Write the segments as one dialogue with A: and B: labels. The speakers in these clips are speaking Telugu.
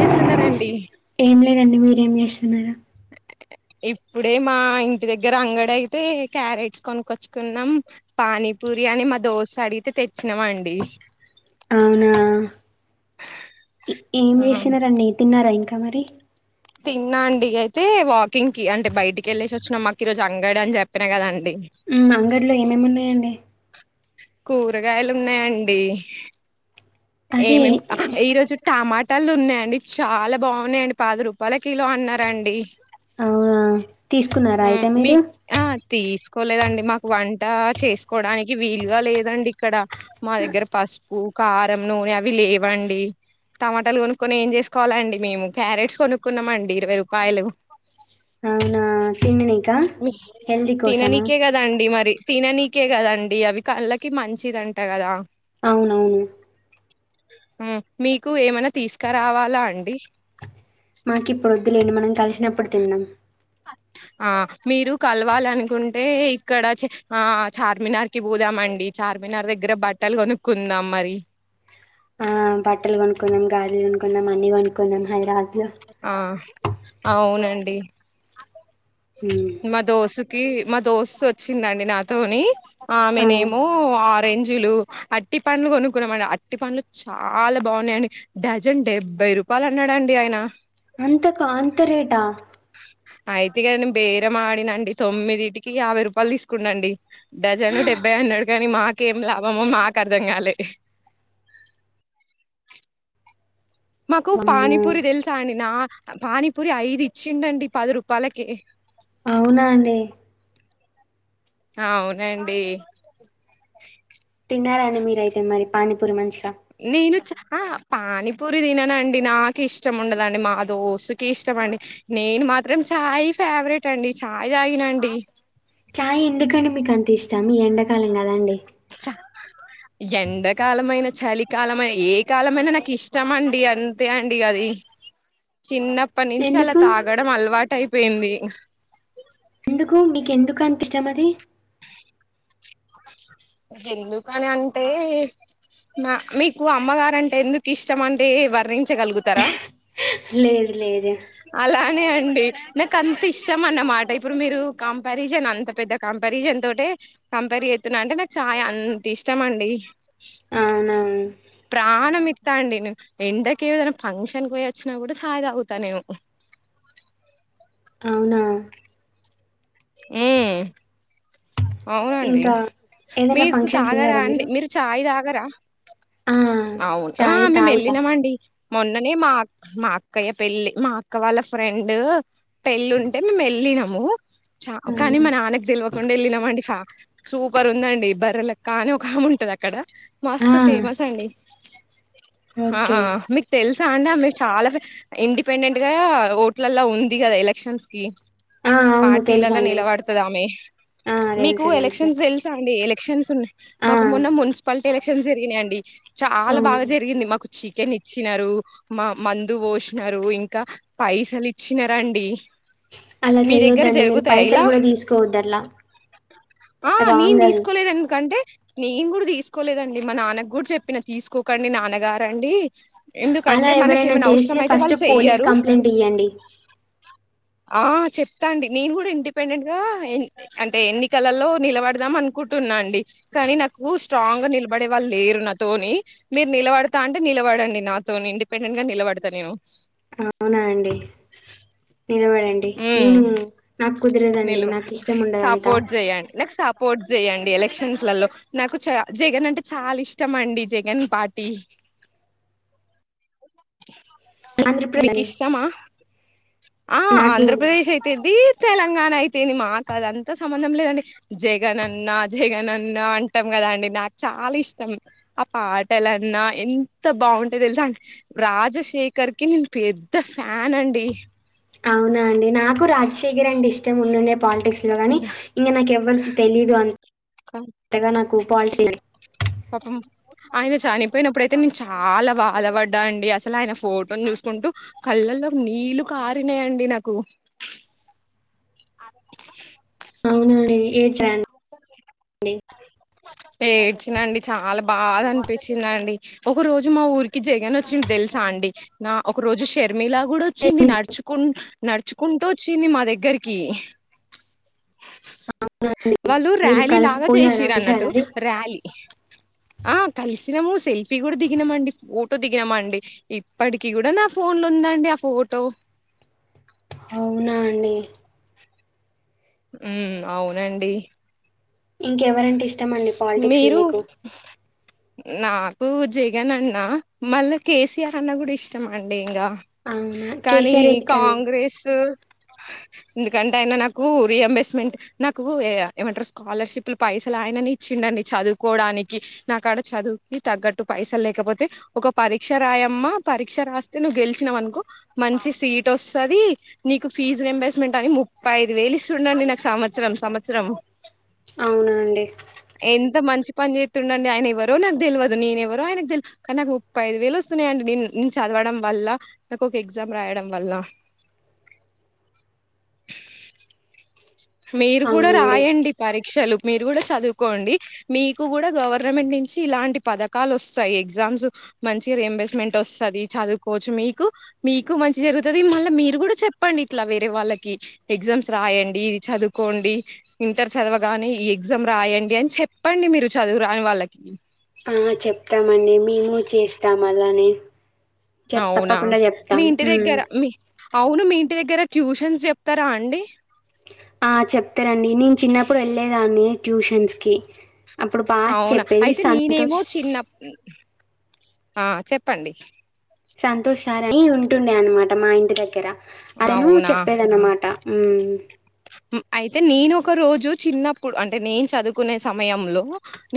A: చేస్తున్నారండి
B: ఏం లేదండి మీరేం చేస్ తిన్నారా
A: ఇప్పుడే మా ఇంటి దగ్గర అంగడయితే క్యారెట్స్ కొనుక్కొచ్చుకున్నాం పానీపూరి అని మా దోశ అడిగితే తెచ్చినాం అండి
B: అవునా ఏం
A: ఆ
B: చేసినారండి తిన్నారా ఇంకా మరి
A: తిన్నా అండి అయితే వాకింగ్ కి అంటే బయటికి వెళ్ళేసి వచ్చిన మాకు ఈరోజు అంగడ అని చెప్పినా కదండి
B: ఉ అంగడలో ఏమేమి ఉన్నాయండి
A: కూరగాయలు ఉన్నాయండి
B: అదే
A: ఏమేం ఈరోజు టమా టలు ఉన్నాయండి చాలా బాగున్నాయండి పాది రూపాయల కిలో అన్నారండి
B: అవునా తీసుకున్నారా
A: ఉ
B: అయితే
A: మీ
B: మీరు
A: ఆ తీసు కోలేదండి మాకు వంట చేసుకోవడానికి వీలుగా లేదండి ఇక్కడ మా దగ్గర పసుపు కార్ రం నూనె అవి లేవండి టమాటాలు కొనుక్కుొని ఏం చేసుకోవాలండి మేము క్యారెట్స్ కొనుక్కున్నామండి ఇరవై రూపాయలు
B: అవునా తిననీకా హెల్దీ కోసమా
A: తిననీకే కదండి మరి తిననీకే కదండి అవి కళ్ళకి మంచిది అంట కదా
B: అవునవును
A: ఉ మీకు ఏమనా తీసుకురావాలా అండి
B: మాకి ఇప్పుడు వద్దులేండి మనం కలిసినప్పుడు తిన్నాం
A: ఆ మీరు కలవాలనుకుంటే ఇక్కడ ఆ చార్మినార్కిి పోదామండి చార్మినార్ దగ్గర బట్టలు కొనుక్కుందాం మరి
B: ఆ బట్టలు కొనుక్కున్నాాం గాజులు కొనుకుందాం అన్ని కొనుకుందాం హైదరాబాద్ లో
A: ఆ అవునండి
B: మ్మ్.
A: మ దోస మా దోస్తు వచ్చిందండి నాతోని
B: ఆ,
A: ఆమెనేమో ఆరెంజ్లు అట్టి పండ్లు కొనుక్కున్నామ అండి అట్టి పండ్లు చాలా బాగున్నాయండి డజన్ డెబ్బై రూపాయలు అన్నాడండి ఆయన
B: అంతకు అంతరేట
A: అయితే కదా నేను బేరమాడినండి తొమ్మిదిటికి యాభై రూపాయలు తీసుకున్నాండి డజను డెబ్బై అన్నాడు కాని మాకేం లాభమో మాకు అర్థం కాలే మాకు
B: అమ్మో
A: పానీపూరి తెలుసా అని నా పానీపూరి ఐదు ఇచ్చిండండి పది రూపాలకి
B: అవునా అండి
A: ఆ అవునండి
B: తిన్నారా అండి మీరు అయితే మరి పానీపూరి మంచిగ
A: నేను చ అహ్ పానీపూరి తిననండి నాకు ఇష్టం ఉండదండి మా దోస్తుకి ఇష్టమండి నేను మాత్రం చాయ్ ఫేవరెట్ అండి చాయ్ తాగినండి
B: చాయ్ ఎందుకండి మీకు అంత ఇష్ ష్టం ఈ ఎండాకాలం కదండి
A: ఎండాకాలమైన చలికాలమైన ఏ కాలమైనా నాకు ఇష్టం అండి అంతే అండి అది చిన్నప్పటి నుంచి అలా
B: ఎందుకు?
A: తాగడం అలవాటై పేయింది
B: కు మీకు ఎందుకు అంత ఇష్టం అది
A: ఎందుకని అంటే మా మీకు అమ్మగారంటే ఎందుకు ఇష్టం అంటే వర్ణించగలుగుతరా
B: లేదు లేదు
A: అండి నాకు అంత ఇష్టం అన్నమాట ఇప్పుడు మీరు కంపారిజన్ అంత పెద్ద కంపారిజన్ తోటే కంపేర్ చేయుతున్నా అంటే నాకు చాయ్ అంత ఇష్టం అండి
B: అవునా!
A: ప్రాణం మి త్త అండిను ఎండకి ఏదైనా ఫంక్షన్కి పోయ వచ్చినా కూడా చాయి తాగుతా నేను
B: అవునా
A: ఉహ్ అవునండి
B: ఇంకా ఏదైనా
A: మీకు తాగరా
B: ఫంక్షన్స్‌కెళ్లారా
A: అండి మీరు చాయ్ తాగరా
B: ఆ!
A: అవునా
B: చాయ్
A: మేము
B: తాగుతా.
A: ఎల్లినం అండి మొన్ననే మా అ మా అక్కయ్య పెళ్లి మా అక్క వాళ్ళ ఫ్రెండు పెళ్ళి ఉంటే మేము ఎల్లినం అవ్వు చావు కానీ
B: అవునా!
A: మా నాన్న కు తెలవకుండా వెళ్ళినామండి ఫ్యామ్ సూపర్ ఉందండి బర్రెలక్క అని ఒక ఆమే ఉంటది అక్కడ
B: ఆ!
A: మస్తు ఫేమస్ అండి ఆ
B: ఓకే.
A: మీకు తెలుసు సా అండి ఆమె చాలా ఇండిపెండెంట్ గా ఓటులల్ల ఉంది కదా ఎలక్షన్స్ కి
B: ఆ అవును తెల్
A: నిల్వడుతదీ ఆమే మీకు
B: తెలుసు తెలుసు.
A: ఎలక్షన్స్ తెల్సా అండి ఎలక్షన్స్ ఉన్నాయి
B: ఆ!
A: మకు మొన్న మున్సిపల్ టీ ఎలక్షన్స్ జరిగినయండి చాలా
B: అవును.
A: బాగా జరిగింది మకు చికెన్ ఇచ్చినారు మా మందు పోసినారు ఇంకా పైసలు ఇచ్చినారండి
B: అలా చేయొద్దండి మీరు పైసలు
A: స్తాఇలా
B: గూడా తీసుకోవద్దట్లా.
A: ఆ నేను
B: రాంగ్ అది.
A: తీసుకులేదు ఎందుకంటే నీ ను కూడా తీసుకోలేదండి మా నాన్నకు కూడా చెప్పిన తీసుకోకండి నాన్నగారండి
B: అలా
A: ఎందుకంటే మనకి
B: ఎవరైనా
A: ఏమైనా
B: చేస్తే
A: అవసరం అయితే
B: ఫస్ట్
A: వాళ్ళు
B: పోలీస్
A: చెయ్యరు
B: కంప్లైంట్ ఇయ్యండి
A: ఆ చెప్తా అండి నేను కూడా ఇం ఇండిపెండెంట్ గా ఎ అంటే ఎన్నికలలో నిలబడదాం అనుకుంటున్నా అండి కానీ నాకు స్ట్రాంగ్గా నిలబడే వాళ్ళు లేరు నాతోని మీరు నిలబడతా అంటే నిలబడండి నాతోని ఇండిపెండెంట్ గా నిలబడతా నేను
B: అవునా అండి నిలబడండి
A: హు
B: నేను నాకు కుదరదండి
A: నిలు
B: నాకు ఇష్టం ఉండదంతా
A: సపోర్ట్ చే్య్యండి నాక్ సపోర్ట్ చేయ్యండి ఎలక్షన్స్లలో నాకు చ జగన్ అంటే చాలా ఇష్టం అండి జగన్పార్టీ
B: ఆంధ్రప్రదేశ్
A: మీకు
B: అని.
A: ఇష్టమా ఆ
B: నాకు
A: ఆంధ్రప్రదేశ్ అయితెంది తెలంగాణ అయితేంది మాకు అదంత సంబంధం లేదండి జగన్ అన్నా జగన్ అన్నా అంటాం కదండి నాకు చాలా ఇష్టం ఆ పాటలన్నా ఎంత బాగుంయె తెలుసా రాజశేఖర్ కి నేను పెద్ద ఫ్యాన్ అండి
B: అవునా అండి నాకు రాజశేఖర్ అంటే ఇష్టం ఉండుండే పాలిటిక్స్ లో కానీ ఇంగ నాకు ఎవ్వరు తెలిదు అంతగా నాకు పాలిటి
A: పాపం ఆయన చనిపోయినప్పుడుయితే నేను చాలా బాధపడ్డా అండి అసలు ఆయన ఫోటోని చూసుకుంటూ కళ్ళల్లో నీళ్లు కారినాయండి నాకు అ
B: అవునేనే ఏడ్ చ డి
A: ఏడ్చినండి చాలా బాగా అనిపించింది అండి ఒక రోజు మా ఊరికి జగన్ వచ్చిండు తెలుసా అండి నా ఒక రోజు షేర్ పర్మిలా కూడా వచ్చింది నడుచుకుం నడుచుకుంటూ వచ్చింది మా దగ్గరికి
B: అవునా అండి మీరు కలిసిపో
A: చేసిరన్నట్టు ర్యాలీ ఆ కలిసినాము సెల్ఫీ కూడా దిగినామండి ఫోటో దిగినామండి ఇప్పటికి కూడా నా ఫోన్ లో ఉందండి ఆ ఫోటో
B: అవునా అండి
A: హు అవునండి
B: ఇంకెవరంటే ఇష్టమండి పాలిటిక్స్ లో
A: మీరు
B: మీకు
A: నాకు జగన్ అన్న మళ్ళీ కేసీఆర్ అన్న కూడా ఇష్టమండి ఇంగ
B: అవునా
A: కానీ
B: కేసీఆర్ ఎందుకండి
A: కాంగ్రెస్ ఎందుకంటే అయన నాకు రియంబర్స్మెంట్ నాకు ఏమంటరూ స్కాలర్షిప్లు పైసలు ఆయననే ఇచ్చిండండి చదువుకోవడానికి నాకడ చదువుకి తగ్గట్టు పైసలు లేకపోతే ఒక పరీక్ష రాయమ్మా పరీక్ష రాస్తే నువ్వు గెలిశినవనుకో మంచి సిటోస్తది నీకు ఫీజ్ రియంబర్స్మెంట్ అని ముప్పై ఐదు వేలు ఇస్తుండండి నాకు సంవత్సరం సంవత్సరం
B: అవునా అండి
A: ఎంత మంచి పని చేేస్తుండండి ఆయన ఎవరో నాకు తెలువదు నిను ఎవరో ఆయనకు తెల్ కానీ నాకు ముప్పై ఐదు వేలు వస్తున్నాయండి నే నేను చదవడం వల్ల నాకు ఒక ఎగ్జామ్ రాయడం వల్ల మీరు కూడా
B: అవునండి
A: రాయండి పరీక్షలు మీరు కూడా చదువుకోండి మీకు కూడా గవర్నమెంట్ నుంచి ఇలాంటి పథకాలు వస్తాయి ఎగ్జామ్స్ మంచిగా రియంబర్స్మెంట్ వస్తది చదువుకోవచ్చు మీకు మీకు మంచి జరుగుతది మళ్ళ మీరు కూడా చెప్పండి ఇట్లా వేరే వాళ్ళకి ఎగ్జామ్స్ రాయండి చదువుకోండి ఇంటర్ చదవగానే ఈ ఎగ్జామ్ రాయండి అని చెప్పండి మీరు చదువు రాని వాళ్ళకి
B: ఆ చెప్తామండి. మేము చేస్తాం అలానే. చెప్
A: అవునా,
B: తప్పకుండా
A: మీ
B: చెప్తాం
A: ఇంటి
B: హ్మ్.
A: దగ్గర మీ అవును మీ ఇంటి దగ్గర ట్యూషన్స్ చెప్తారా అండి.
B: ఆ చెప్తారండి నేను చిన్నప్పుడు వెళ్ళెదాన్ని. ట్యూషన్స్కి అప్పుడు
A: అవునా
B: బాచెప్పేది
A: అయితే నేనేమో
B: సంతోష్
A: చిన్న ఆ చెప్పండి.
B: సంతోష్ సారని ఉంటుండే అనమాట మా ఇంటి దగ్గరా. అతను
A: అవునా
B: చెప్పేదన్నమాట ఉ
A: హ్ అయితే నేను ఒక రోజు చిన్నప్పుడు అంటే నేను చదువుకునే సమయంలో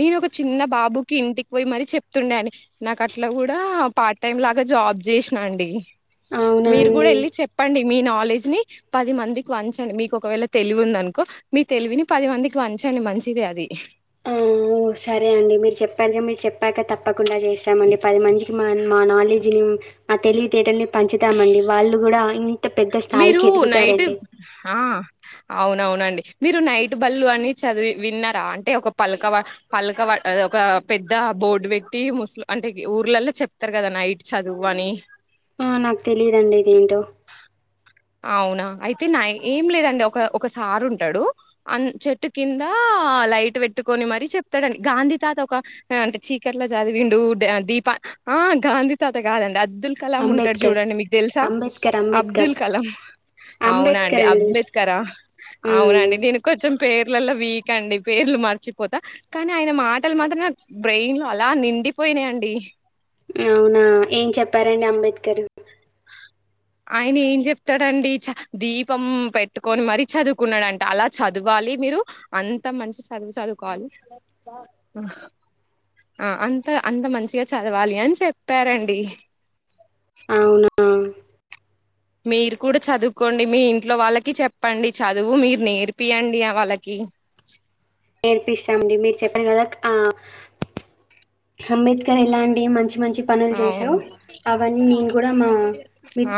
A: నేను ఒక చిన్న బాబుకి ఇంటికి పోయి మరి చెప్తుండే అండి. నాకు అట్లా కూడా పార్ట్ టైం లాగా జాబ్ చేశినా అండి.
B: అవునా
A: మీరు కూడా
B: అండి.
A: వెళ్ళి చెప్పండి. మీ నాలెడ్జ్ ని పది మందికి వంచండి. మీకు ఒకవేళ తెలివి ఉందనుకో మీ తెలివిని పది మందికి పంచండి మంచిది అది.
B: ఆ సరే అండి మీరు చెప్పారుగా మీరు చెప్పాక తప్ప కుండా చేస్తామండి. పది మంచికి మా నాలెడ్జ్ని ఆ తెలివితేటల్ని పంచుతామండి వాళ్ళు కూడా
A: మీరు నైట్ ఆ అవునవును మీరు నైట్ బళ్లు అని చదివి విన్నారా. అంటే ఒక పలక పలక ఒక పెద్ద బోర్డు పెట్టి ముస్ అంటే ఊర్లలో చెప్తారు కదా నైట్ చదువు అని.
B: ఆ నాకు తెలియదండి ఇదేంటో
A: అవునా అయితే నా ఏం లేదండి ఒక ఒక సారు ఉంటడు, అ చెట్టు కింద లైట్ పెట్టుకొని మరి చెప్తడు అండి. గాంధీ తాత ఒక అంటే చీకట్లో చదివిండు దీప ఆ గాంధీ తాత కాదండి. అబ్దుల్ కలాం ఉంటడు
B: అంబేద్కర్.
A: చూడండి. మీకు తెలుసా
B: అంబేద్కర్, అంబేద్కర్.
A: అబ్దుల్ కలాం అవునండి
B: అంబేద్కర్ అండి
A: అంబేద్కరా
B: మ్మ్.
A: అవునండి. నేను కొంచెం పేర్లలో వీక్ అండి పేర్లు మర్చిపోతా కానీ ఆయన మాటలు మాత్రం నా బ్రెయిన్ లో అలా నిండిపోయినయండి.
B: అవునా ఏం చెప్పారండి అంబేద్కరు.
A: ఆయన ఏం చెప్తాడండి. చ దీపం పెట్టుకొని మరి చదువుకున్నాడంట అలా చదవాలి. మీరు అంత మంచి చదువు చదువుకోవాలి అంత అంత మంచిగా చదవాలి అని చెప్పారండి.
B: అవునా
A: మీరు కూడా చదువుకోండి. మీ ఇంట్లో వాళ్ళకి చెప్పండి. చదువు మీరు నేర్పియండి ఆ వాళ్ళకి.
B: నేర్పిస్తామండి మీరు చెప్పారు కదాక్ ఆ అంబేద్కర్ ఎలాంటి మంచి మంచి పనులు చేశారో
A: అవును
B: అవన్నీ నేను కూడా మా మి
A: ఆ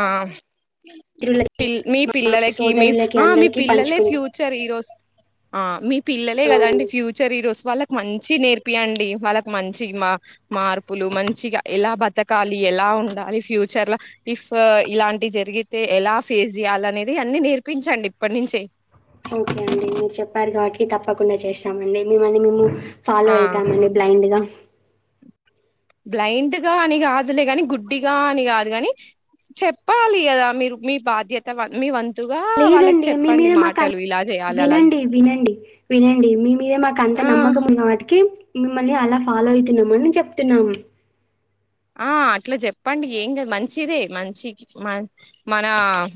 A: పిల్ మీ పిల్లలకి మీ
B: సోదరులకి
A: ఆ మీ
B: అందరికీ
A: పిల్లలే
B: పంచుకుంటాం
A: ఫ్యూచర్ ఈరోజు. ఆ మీ పిల్లలే కదా అండి
B: అవునండి
A: ఫ్యూచర్ ఈ రోజు. వాళ్ళకు మంచి నేర్పియండి, వాళ్ళకు మంచి మా మార్పులు మంచిగా ఎలా బతకాలి. ఎలా ఉండాలి ఫ్యూచర్ల ఇఫ్ ఇలాంటి జరిగితే ఎలా ఫేస్ చేయాలి అనేది అన్ని నేర్పించండి ఇప్పటి నుంచే.
B: ఓకే అండి మీరు చెప్పారు కాబట్టి తప్పకుండా చేస్తామండి. మిమ్మల్ని మేము ఫాలో
A: ఆ
B: అయితామండి బ్లైండ్ గా.
A: బ్లైండ్గా అని కాదులే కాని గుడ్డిగా అని కాదు కాని చెప్పాలి కదా మీరు మీ బాధ్యత మీ వం న్
B: లేదండి మీ మీద మాకు
A: చేయాలి అలా జే
B: వినండి వినండి వినండి మీ మీద మాకు అంత
A: ఆ
B: నమ్మకం ఉన్న వాటికి మిమ్మల్ని అలా ఫాలో అయితున్నామ్ అని చెప్తున్నాం
A: ఆ అట్లా చెప్పండి ఏం కాద్ మంచిదే మంచి మ మన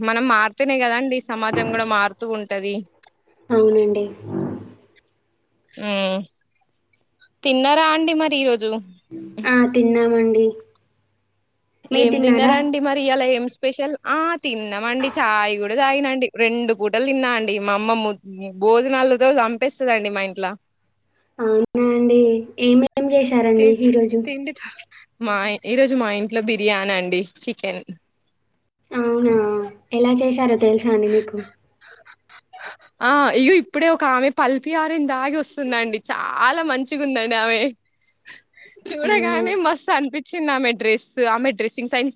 A: మనం మారుతనే కదండి సమాజం కూడ మారుతూ ఉంటది
B: అవునండి
A: మ్మ్ తిన్నారా అండి మరి ఈ రోజ్ జు
B: డి
A: ఏం తిన్నారంండి మరి ఇయాల ఏం స్ స్పెషల్ ఆ తిన్నామండి చాయ్ కూడా తాగినండి రెండు పూటలు తిన్నా అండి మా అమ్మ మ్ భోజనాలతో చంపేస్తాదండి మా ఇంట్ల
B: అవునా అండి ఏమేం
A: తి
B: చేశారండి ఈ రోజు
A: తిండి మా ఈ రోజు మా ఇన్ ట్లో బిర్యానీ అండి చికెన్
B: అవునా ఎలా చేసారో తెలుసా అండి మీకు
A: ఆ ఇగొ ఇప్పుడే ఒక ఆమె పల్పి ఆర దాగి వస్తుందండి చాలా మంచిగా ఉందండి ఆమె
B: అవునా
A: చూడగానే మస్తు అన్పి చిింది ఆమె డ్రెస్ ఆమె డ్రెస్సింగ్ సైన్స్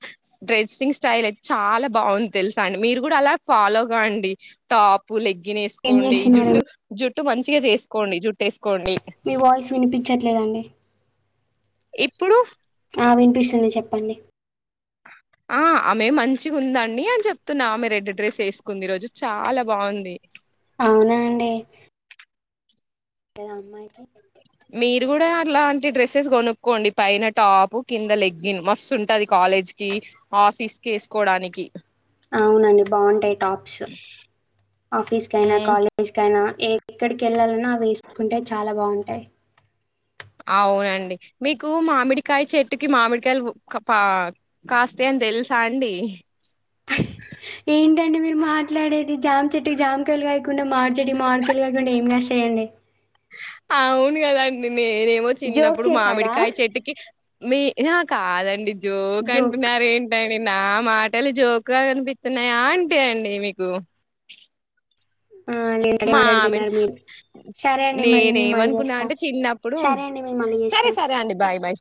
A: డ్రెస్సింగ్ స్టైల్ అయితే చాలా బాగుంది తెలుసా అండి మీరు కూడా అలా ఫాలో గాండీ టాపు లెగ్ గిన్
B: ఏం
A: ఏసుకోండీ జుట్టు
B: చేస్తున్నారండి
A: జుట్ ట్టు మంచిగా చేసుకోండి జుట్టు వేసుకోండి
B: మీ వాయిస్ వినిపించట్లేదండి
A: ఇప్పుడు
B: ఆ వినిపిస్తుంది చెప్పండి
A: ఆ ఆమె మంచిగా ఉందండి అని చెప్తున్నా ఆమె రెడ్ డ్రెస్ వేసుకుంది ఈ రోజు చాలా బాగుంది
B: అవునా అండి లేద అమ్మాయికి
A: మీరు కూడా అలాంటి డ్రెస్సెస్ కొనుక్కోండి పైన టాప్ కింద లెగ్గిన్ మస్తు ఉంటది కాలేజ్ కి ఆఫీస్ కి వేసుకోడానికి
B: అవునండి బాగుంటాయి టాప్స్ ఆఫీస్ కైనా
A: మ్మ్
B: కాలేజ్ కైనా ఎక్కడి కేళ్ళాలన్నా అవి వేసుకుంటే చాలా బాగుంటాయి
A: అవునండి మీకు మామిడికాయ చెట్టుకి మామిడికాయలు క పా కాస్తాయి అని తెలుసా అండి
B: ఏంటండి మీరు మాట్లాడేది జామచేట్ జామకాయలు కాయకుండా మాడిచేట్ కి మాడికాయలు కాయకుండా ఏం కాస్తాయండి
A: ఆవున్ గదా అండి నేనేమో
B: జోక్
A: చిన్నప్పుడు
B: చేశారా?
A: మామిడికాయ చెట్టుకి మీ ఆ హా కాదండి జోక్ అంటున్నారు ఏంట నా మాటలు జోక్ గా కనిపిత్తున్నాయా అంటే అండి మీకు
B: ఆ! లేదండి
A: మామిడి
B: మాట్లాడుతున్నారు మీరు. సరే అండి మరి
A: నేను
B: మళ్ళీ
A: ఏమనుకున్నా
B: చేస్తా.
A: అంటే చిన్నప్పుడు
B: సరే అండి నేను మళ్ళీ చేస్తా.
A: సరే సరే అండి బాయ్ బాయ్